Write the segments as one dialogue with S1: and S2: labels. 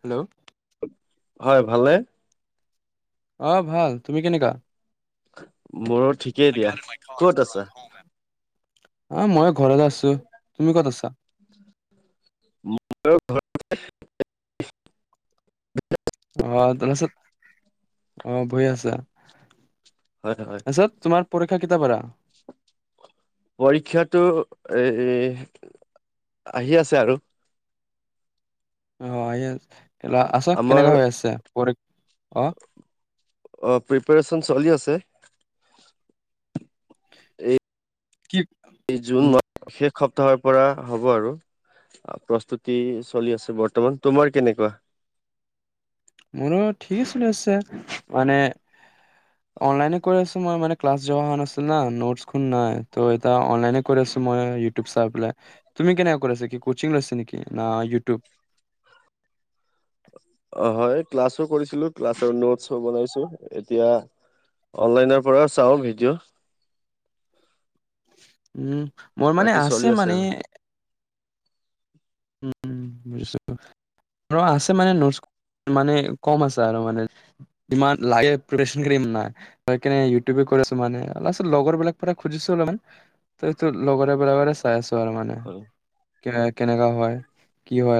S1: Hello!
S2: হয় ভালে।
S1: আহ ভাল তুমি কেনেকা
S2: মোৰো ঠিকেই দিয়া ক'ত আছা
S1: আহ মই ঘৰতে আছো তুমি ক'ত আছা?
S2: ঘ উ!
S1: আহ তাৰপাছত আহ ভই আছা।
S2: হয় হয়
S1: তাৰিছত তোমাৰ প কেতিয়া ৰ পৰা
S2: পৰীক্ষাটো এ আহি আছে আৰু
S1: অ এই এই আছ
S2: আমাৰ
S1: কেনেকা হৈ আছে পৰ আহ!
S2: অ প্ৰিপৰেচন চলি আছে
S1: কি
S2: এই জুন
S1: উ
S2: মাহ শেষ এসপ্তাহৰ পৰা হ'ব আৰু প্ৰস্তুতি চলি আছে বৰ্তমান তোমাৰ কেনেকুৱা
S1: মোৰঠিক মানে অনলাইন না, নাই লৈ নেউ
S2: অ হয় ক্লাছো কৰিছিলো ক্লাছৰ নোটছো বনাইছো এতিয়া অনলাইনৰ পৰা চাওঁ ভিডিঅ'
S1: উম মোৰ মানে
S2: বাকী চলি
S1: আছে মানে।
S2: আৰু
S1: ছ আছে মানে মানে কম আছে আৰু মানে ইমান লাগে নাই সেই ইউটিউব আছ মানে অলপ লগৰবলাক পৰা খুজিছো অলপমান ত লগৰবিলাক চাই আছো। তাৰ মানে
S2: হয়
S1: কে কেনেকা হয়।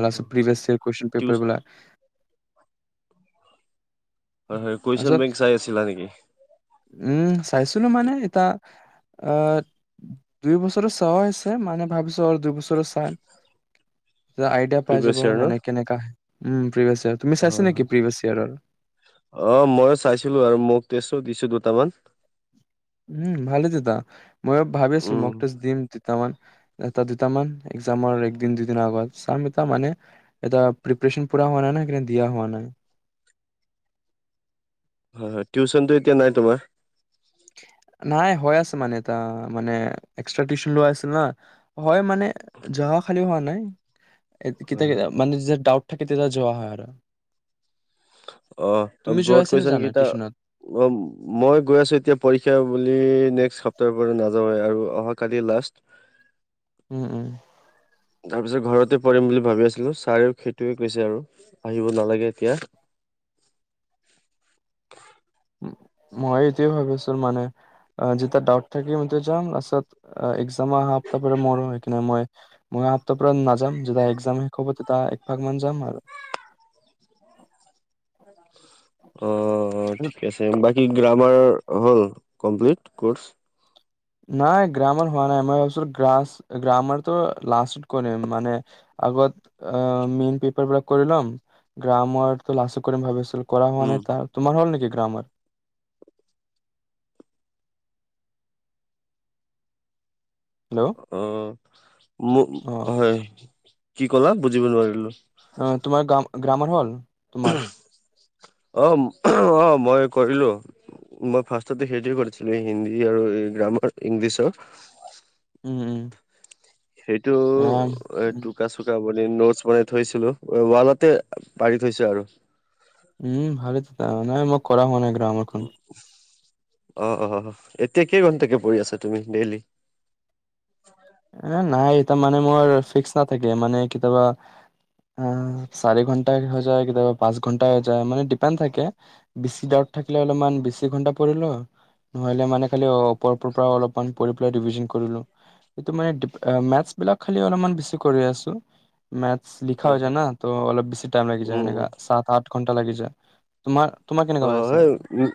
S1: লছে প্ৰিভিয় ই কুৱেশন পেপাৰলা
S2: হয় হয় কুৱেশচন
S1: তাৰপিছত
S2: বেংক চাই আছিলা নেকি
S1: উম চাইছিলো মানে এতিয়া আহ দুই বছৰ চোৱা হৈছে মানে ভাবিছো আৰু দুই বছৰ চাই তে আইডিয়া পাইজে
S2: প্ৰিভিয়াছ
S1: বাবু
S2: ইয়েৰ ন
S1: মানে কেেনেকাে উম প্ৰভ
S2: হয়, হয় অ', ময়ো চাইছিলো আৰু মোক টেষ্টো দিছিলোঁ। তামান
S1: উম, ভালে [unintelligible] ময়ো ভাবিছোঁ,
S2: উম
S1: ম'ক টেষ্ট দিম দুটামান। এটা দুটামান এক্জামৰ একদিন দুদিন আগত চাম এটা মানে এটা প্ৰিপাৰেচন পুৰা হোৱা নাই মা সেইকাৰণে দিয়া হোৱা নাই।
S2: হয়, হয় টিউচনটো এতিয়া নাই তোমাৰ?
S1: নাই হৈ আছে মানে এটা মানে এক্সট্ৰা টিউচন লৈ আছে নহয়, হয় মানে জহা খালী হোৱা নাই। এ
S2: হয়
S1: কেতিয়া কেত
S2: হয়
S1: মানে যে ডাউট থাকে তেতিয়া যোৱা হয় আৰু।
S2: অ',
S1: তুমি যোৱা
S2: ব্ৰত
S1: আছা নে
S2: কৈছ
S1: যোৱা
S2: নেকি
S1: নাই
S2: তা
S1: টিউচনত?
S2: অ', মই গৈ আছো এতিয়া পৰীক্ষা বুলি নেক্সট সপ্তাহৰ পৰা নাযাওঁ হয় আৰু অহাকালি লাষ্ট।
S1: উম, উম।
S2: তাৰপিছত ঘৰতে পঢ়িম বুলি ভাবি আছিলো ছাৰেও সেইটোৱে কৈছে আৰু আহিব নালাগে এতিয়া।
S1: মই এইটোৱে ভাবিছো মানে অ', যেতিয়া ডাউট থাকে তেতিয়া যাম তাৰছত এক্জাম আহা সপ্তাহৰ পৰা মোৰো সেইকানে মই অহা সপ্তাহৰ পৰা নাযাম যেতিয়া এক্জাম শেষ হ'ব তেতিয়া একভাগমান যাম আৰু।
S2: [inaudible] অ', ঠিক আছে বাক কি গ্ৰামাৰ হ'ল কমপ্লিট ক'ৰ্চ?
S1: নাই গ্ৰামাৰ হোৱা নাই, মই ভাবিছিলো গ্ৰাচ গ্ৰামাৰ তো লাষ্টত কৰিম মানে আগত অ', মেইন পেপাৰবিলাক কৰি লম গ্ৰামাৰটো লাষ্টত কৰিম ভাবিছিলো। কৰা হোৱা
S2: উম
S1: নাই তাৰ, তোমাৰ হ'ল নেকি? গ্ৰামাৰ। হেল্ল'
S2: আহ
S1: অ
S2: হয় কি কলা বুজিব নোৱাৰিলো
S1: অ, তোমাৰ গ্ৰাম গ্ৰামাৰ হল তোমাৰ
S2: অ অ মই কৰিলো মই ফাৰ্ষ্টতে সেইটোৱে কৰিছিলো হিন্দী আৰু এই গ্ৰামাৰ ইংলিছৰ
S1: উম উম
S2: সেইটো এ
S1: আহ,
S2: টোক চোক ব নোটছ বনাই থৈছিলো ৱালতে পাৰি থৈছো আৰু
S1: উম ভালে তো ত নাই মই কৰা ম ন গ্ৰাম এখন
S2: অ অ এতিয়া কেই ঘণ্টাকে পৰি আছা তুমি ডেইলি
S1: নাই এ মানে মোৰ ফিক্স নাথাকে মানে কেতিয়াবা চাৰি ঘন্টা হৈ যায় কেতিয়াবা পাঁচ ঘন্টা হৈ যায় মানে ডিপেণ্ থাকে বেছিা থাকিলে অলপমান বেছি ঘন্টা পৰিলো নহলে মানে খ পৰ পৰা অলপেলাইভি কৰিলো সেইটো মানে মেটছ বিলাক খালি অলপমান বেছি কৰি আছো মেথছ লিখা
S2: হয়,
S1: হৈ যায়
S2: হয়,
S1: ন তো অলপ বেছি টাইম লাগি যায় মনে
S2: উম,
S1: সাত আঠ ঘণ্টা লাগি যায় তোমাৰ তোমাৰ কেনেকা হৈ
S2: অ'
S1: আছে
S2: এই উ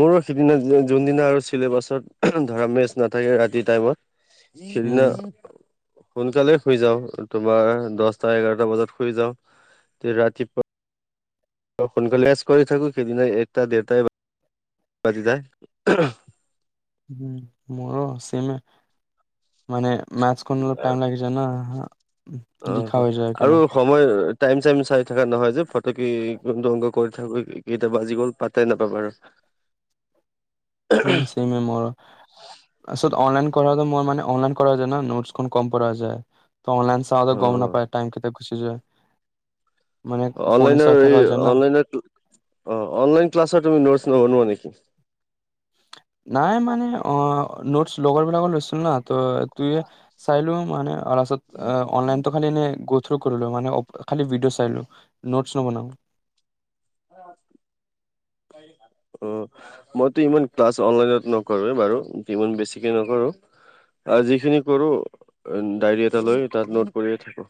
S2: মোৰ সিদিনা যোনদিনা আৰু চিলেবাছত ধৰা মেচ নাথাকে ৰাতি টাইমত সেইদিনা
S1: উম
S2: সোনকালে শুই যাওঁ তোমাৰ দচটা এঘাৰটা বজাত শুই যাওঁ তে ৰাতিপুৱা সোনকালে এচ কৰি থাকো সেইদিনা একটা দেৰটা বাজি যায়
S1: উম মোৰ চেমে মানে মেথচখন অলপ টাইম লাগি যায় না
S2: অ',
S1: লিখা হৈ যায়
S2: আৰু
S1: কেনে
S2: সময় টাইম চাইম চাই থাকা নহয় যে ফটকে কোনটো অংক কৰি থাকো কেইটা বাজি গ'ল পাতাই নাপাঙ আৰু
S1: উম চেমে মোৰ আছ অনলাইন কৰাটো মোৰ মানে অনলাইন কৰা যায় ন নোটখন কম কৰা যায় অ', অনলাইন চাওঁ যে গম
S2: অ',
S1: নাপায় টাইম কেতিয়া গুচি যায় মানে ফোনে চাই
S2: অনলাইনৰ
S1: থকা
S2: এই
S1: হৈ যায় না
S2: অনলাইনৰ অ' অনলাইন ক্লাছৰ তুমি নোটছ নবনোৱা নেকি
S1: নাই মানে অ' নোটচ লগৰ বিলাকৰ লৈছিল না ত তে চাইলো মানে তাৰপাছত অনলাইনতো খালি এনে থ্ৰ কৰিলোঁ মানে খালি ভিডিঅ' চাইলো নোটছ নবনাওঁ
S2: মইটো ইমান ক্লাছ অনলাইনত নকৰোৱে বাৰু যিমান বেছিকে নকৰো আৰু যিখিনি কৰো ডায়েৰী এটা লৈ তাত নোট কৰিয়ে থাকো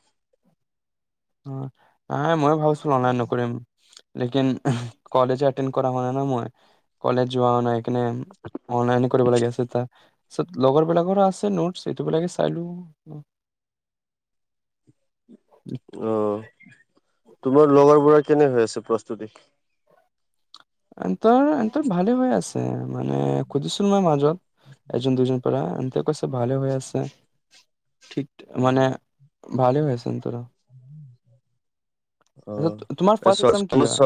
S1: মই ভাবছিলো অনলাইল নকৰিম লেকিন কলেজ এটেনড কৰা হোৱা নাই না মই কলেজ যোৱা নাই এনে অনলাইনে কৰিব লাগে আছে এতা তাছত লগৰবিলাকৰো আছে নোটচ সেইটো বিলাকে চাই লোৱা
S2: অ', তোমাৰ লগৰবোঢ়া কেনে হৈ আছে প্ৰস্তুতি
S1: [unintelligible] ত হেঁতৰ ভালে হৈ আছে মানে খুজিছিলো মই মাজত এজন দুইজন পৰা হিহতে কৈছে ভালে হৈ আছে ঠিক
S2: [unintelligible]
S1: মানে
S2: আমাৰ
S1: ভালে হৈ আছে এন্তৰ আচ্ছা, তোমাৰ ফাৰ্ষ্ট এক্সাম কি হয়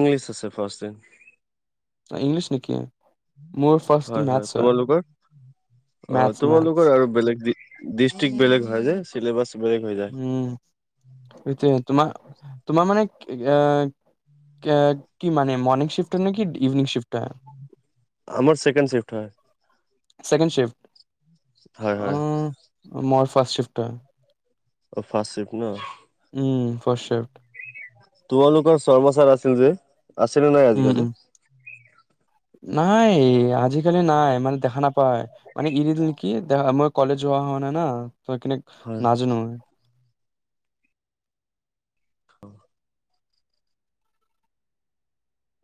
S2: ইংলিছ আছে ফাৰ্ষ্টতে
S1: অ' ইংলিচ নেকি মোৰ ফাৰ্ষ্টটো
S2: হয় হয়
S1: মেথছ
S2: তোমালোকৰ অ'
S1: মেথছ মেথছ
S2: তোমালোকৰ আৰু বেলেগ ডিষ্ট্ৰিক্ বেলেগ হয় যে [unintelligible] যায়
S1: উম সেইটোয় তোমাৰ তোমাৰ মানে আহ কি মানে মৰ্নিং শিফটৰ ন কি ইভিনিং শিফ্ট হয়
S2: আমাৰ চকেণ্ড চিফ্ হয়
S1: চেকেণ্ড শিফ্ট
S2: হয় হয়
S1: মই ফা্ষষ্ট চ্বিফ্টাৰ
S2: অ ফচিফ ন
S1: উম ফষ্ট শেফট
S2: তোমালোকৰ চৰ্মৰ্মচাৰ আছিল যে আছিলিলো নাই
S1: উম, উম,
S2: আজিকালি
S1: নাই আজিিকালি নাই মানে দেখা নাপায় মানে ইৰি দিল নে কি দে মই কলেজ হোৱা হোৱা নাই ন তই কিনে
S2: হয়
S1: নাজানো মই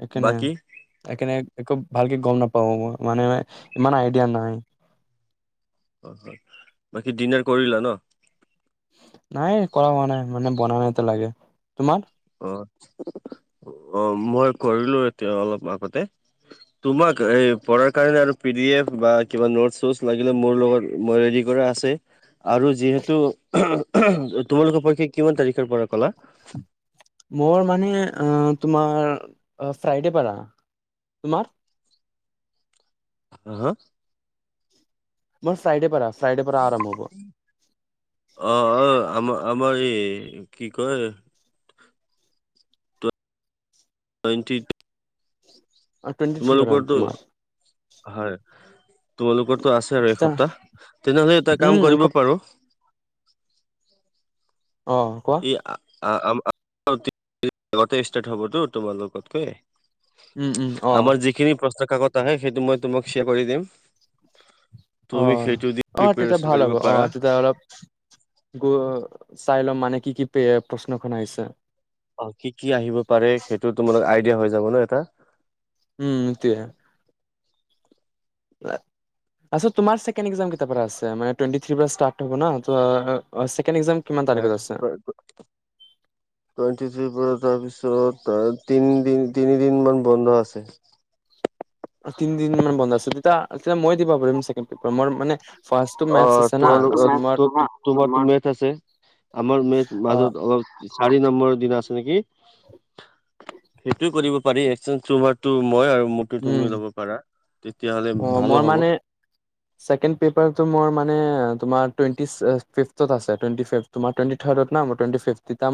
S1: এখনে
S2: বাকী
S1: এখনে একো ভালকে গম নাপাও মানে ইমান আইডিয়া নাই
S2: অ হয় বাকী ডিনাৰ কৰিলা ন
S1: নাই কৰা হোৱা নাই মানে বনা নাই এতিয়া লাগি তোমাৰ
S2: অ মই কৰিলো এতি অলপ আগতে তোমাক এই পঢ়াৰ কাৰণে আৰু পিডি এফ বা কিবা নোট চ লাগিলে মোৰ লগত মই ৰেডি কৰা আছে আৰু যিহেতু তোমালোকৰ পৰীক্ষা কিমান তাৰিখৰ পৰা কলা
S1: উম মোৰ মানে তোমাৰ ফ্ৰাইডে পৰা তোমাৰ
S2: হা হা
S1: মোৰ ফ্ৰাইডে পৰা আছে ফ্ৰাইডে
S2: অ অ আমাৰ আমাৰ এই কি কয় নোএন্তিত
S1: অ টুৱেণ্টি থ্ৰী পৰা তোমাৰ
S2: হয় তোমালোকৰ টো আছে আৰু
S1: তেতিয়া
S2: এসপ্তাহ তেনেহলে এটা কাম
S1: উম, এক
S2: কৰিব পাৰো হয়
S1: অ' কোৱা
S2: এই আম আগতে ষ্টাৰ্ট হবতো তোমাৰ লগতকৈ
S1: উম, উম, অ',
S2: আমাৰ যিখিনি প্ৰশ্ন কাকত তাহে সেইটো মই তোমাক শ্বেয়াৰ কৰি দিম
S1: অ
S2: তুমি সেইটো দি
S1: অ তেতিয়া
S2: প্ৰিপেৰেচন
S1: ভাল
S2: কৰিব
S1: হ'ব আহ
S2: পাৰা
S1: তেতিয়া অলপ গ চাই ল'ম মানে কি কি প্ৰশ্নখন আহিছে
S2: অ কি কি আহিব পাৰে সেইটো তোমাৰো আইডিয়া হৈ যাব ন এটা
S1: উম সেইটোৱেই আস্থা তোমাৰ ছেকেণ্ডত এক জাম কেতিয়াৰ পৰা আছে তুৱেনটি থ্ৰীৰ পৰা ইছহ
S2: হয় টুৱেন্টি আৰ পৰা তাৰপিছত তিনি তিনিদিন মান বন্ধ আছে
S1: এ মই দিব পাৰিম ছেকেণ্ড পেপাৰ মই মানে ফাৰ্ষ্টটো
S2: অ
S1: মেথছ আছে না তাৰপিছত মোৰ
S2: তোমাৰোক তোমাৰ মেথ আছে আমাৰ মে
S1: অ
S2: মাজত অলপ চাৰি নম্বৰ দিনা আছে নেকি সেইটোয়ে কৰিব পাৰি এক্সচেঞ্জ টো মই আৰু মোৰ টো
S1: উম
S2: তুমি ল'ব পাৰা তেতিয়াহ'লে ভালো হ'ব
S1: ছেকেণ্ডত পেপাৰ টো মোৰ মানে তোমাৰ টুৱেন্টি ফিপত আছে তোমাৰ টুৱেন্টি থ্ৰাৰদত আছে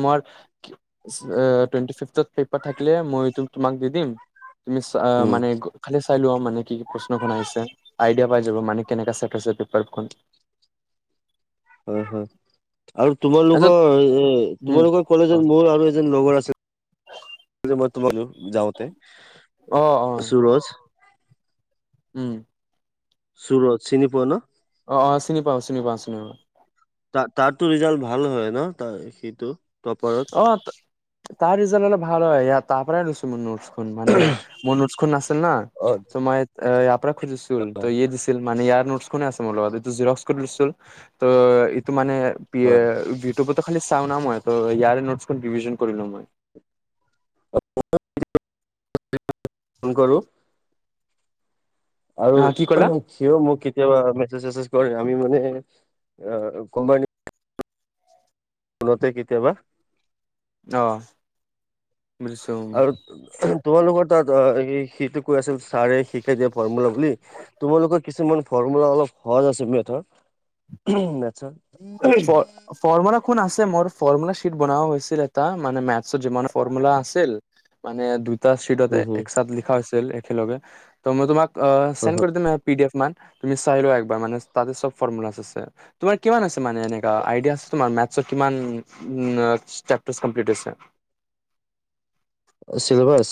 S1: মোৰ টুৱেন্টি ফিপত আছে তুমি
S2: উম,
S1: মানে খালি চাই লোৱা মানে কি কি প্ৰশ্নখন আহিছে আইডিয়া পাইছা মানে কেনেৱা আহিছে পেপাৰ খন
S2: হ হ হ আৰু
S1: তাৰপিছত
S2: তোমালোকৰ এ
S1: উম
S2: তোমালোকৰ কলেজত মোৰ আৰু এজন লগৰ আছিল মই তোমাক যাওঁতে
S1: অ অ
S2: সুৰজ
S1: উম
S2: সুৰজ চিনি পোৱা ন?
S1: অ অ চিনি পাওচোন শুনিবা শুনিবা
S2: ত তাতো ৰিজাল্ট ভাল হয় ন তাৰ সেইটো
S1: অ তাৰ ৰিজাল্ট হলে ভাল হয় ইয়াত তাপৰাডৈ ম নো মানে মোৰ নোচখন নাছিল না
S2: অ',
S1: ত মই ইয়াৰ পৰা খুজিছিলো ত ইয়ে দিছিল মানে ইয়াৰ আ মোৰ লগত এইটো জ ত ইটো মানে বিিয়ে
S2: হয়
S1: ইব খি চা ন মই ত ইয়াৰে নোটছখন ভিন কৰিলো মই
S2: ফোন কৰো আৰু
S1: হা কি ক'লা
S2: সও মোক কেতিয়াবা মেছেজ চেছেজ কৰে আমি মানে অ কোম্পানী ফোনতে কেতিয়াবা
S1: আহ
S2: আৰু তোমালোকৰ ত সিটো কৈ আছিল ছাৰে শিকাই দিয়া ফৰ্মুলা বুলি তোমালোকৰ কিছুমান ফৰ্মুলা অলপ সহজ আছে মেথৰ মেথৰ
S1: ফৰ্মৰ্মলা কোন আছে মোৰ ফৰ্মুলা শীট বনোৱা হৈছিল এটা মানে মেথছৰ যিমান ফৰ্মুলা আছিল মানে দুই এটা চিটত
S2: উম হম
S1: এক চাত লিখা হৈছিল। খেলগে ত মই তোমাক, অ
S2: হয়
S1: চেণ্ড
S2: হয়
S1: কৰিটো মে, পি ডি এফ মান তুমি চাই লোৱা একবাৰ মানে তাতে চব ফৰ্মুলা আছে তোমাৰ কিমান আছে। মানে এনেক আইডিয়াছ তোমাৰ মে কিমান চেপাৰ কমপ্লিট
S2: চিলবছ,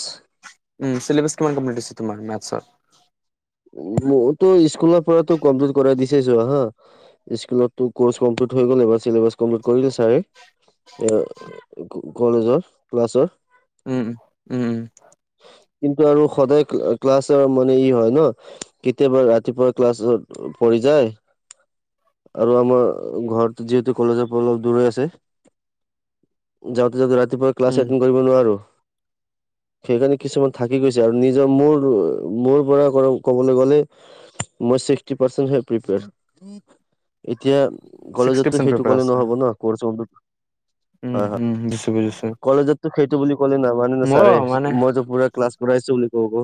S1: উম চিলেবা কিমান কমপ্লিট হৈছে তোমাৰ মেথছৰ
S2: মোৰতো স্কুলৰ পৰাতো কমপ্লিট কৰাই দিছেছো হা স্কুলতো কৰ্চ কমপ্লিট হৈ গলে বা চবাছ কমপ্লিট কৰিলে চাৰে এ কলেজৰ ক্লাছৰ
S1: উম উম উম
S2: কিন্তু আৰু সদায় ক্লাছৰ মানে ই হয় ন কেতিয়াবা ৰাতিপুৱা ক্লাছত পঢ়ি যায় আৰু আমাৰ ঘৰত যিহেতু কলেজৰ পৰা অলপ দূৰ আছে যাওঁতে যাওঁতে ৰাতি, ৰাতিপুৱা ক্লাছ
S1: উম
S2: এটড কৰিব নোৱাৰো। সেইকাৰণে কিছুমান থাকি গৈছে আৰু নিজৰ মোৰ মোৰ পৰা কো। ব গলে মই্স প প্ৰপ এতিয়া
S1: ছিক্সটি
S2: কলেজততো
S1: পাৰ্চেণ্ট
S2: সেইটো
S1: পেপাৰ
S2: কলে
S1: আছে
S2: নহব না কৰ্ছে
S1: উম উম বুজছো বুজিছো।
S2: কলেজত সেইটো বুলি ক'লে নামানে না
S1: মোৰো
S2: ছাৰে
S1: মানে
S2: মইতো পুৰা ক্লাচ, পৰাই চো বুলি কক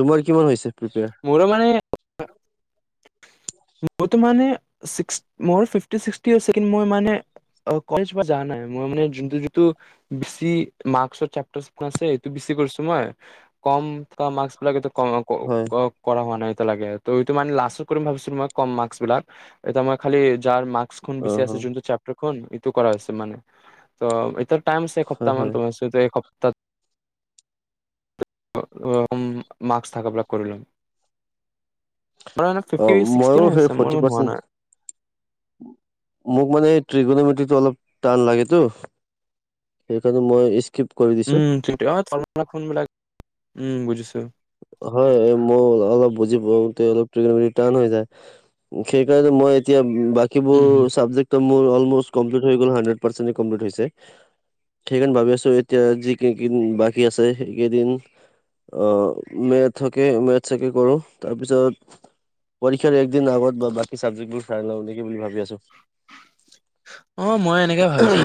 S2: তোমাৰ কিমান হৈছে
S1: মোৰো
S2: প্ৰিপেয়াৰ
S1: মইতো মানে ঢিকস মোৰ ফিফটি চিকুটি হৈছে কিন্তু মই মানে মই যোনতো বেছি মাক্স আছে এইটো ক্ষেত্ৰত বেছি কৰিছো কম মাক্স। ক্ষেত্ৰত ক
S2: হয়
S1: অ কৰা মান। লাগে ত' এইটো মানে লাষ্টত কৰিম ভাবিছো মই কম মাৰ্কচ বিলাক এতিয়া মই খালী যাৰ মাৰ্কখন
S2: অ অ
S1: বেছি আছে যোনটোত চাপ'ৰ্ট [unintelligible] ইটো কৰা হৈছে মানে ত এতা- পাম চে
S2: হয়
S1: এসপ্তাহমান
S2: হয়
S1: ত [unintelligible] অ' অম মাস্ক থকাাবিলাক কৰি ল'ম। মানে
S2: অ
S1: ফিফটি ছিক্সটি
S2: মইও সেই
S1: হৈছে মোৰ
S2: ফৰ্টি
S1: ইমান হোৱা নাই
S2: পাৰ্চেন্ট মোক মানে ত্ৰিকোণমিতিটো অলপ টান লাগেতো সেইকাৰণে মই ইচ
S1: উম ঠিক [unintelligible] অ তলৰপৰা ফোন বিলাক উম বুজিছো৷
S2: হয়, মই অলপ বুজি পাওঁতে অলপ তেৰি-মেৰি, টান হৈ যায়। সেইকাৰণে মই এতিয়া উ বাকীবোৰ
S1: উম, হুম।
S2: চাবজেক্টত মোৰ অলম'চ কমপ্লিত হৈ গ'ল। হানডেড পাৰচেণে কমপিত হৈছে। সেইকাণ ভাবি আছোঁ এতিয়া যি কেইকিন বাকী আছে সেইকেইদিন আ মেথচকে, মেথচকে কৰোঁ। তাৰপিছত পৰীক্ষাৰ একদিন আগত বা-বাকী চাবজেক্ট বোৰ চাই লওঁ, এনেকি বুলি ভাবি আছ-
S1: অ' মই এনেকে ভাবিছোঁ